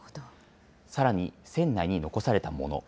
さらに船内に残された物。